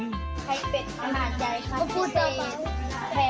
ไข่เป็ดขายมาใจครับพ่อเตรียมแผงละ๑๒๕บาทแผงละ๑๒๕บาท